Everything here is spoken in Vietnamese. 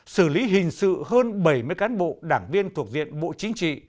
xử lý hình sự hơn bảy mươi cán bộ đảng viên thuộc diện bộ chính trị